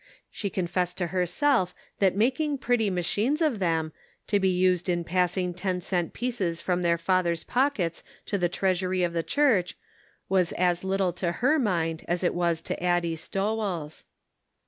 She confessed to herself that making pretty machines of them, to be used in passing ten cent pieces from their fathers' pockets to the treasury of the church was as little to her mind as it was to Addie Stowell's.